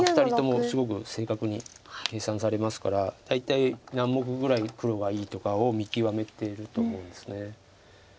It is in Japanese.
２人ともすごく正確に計算されますから大体何目ぐらい黒がいいとかを見極めてると思うんです。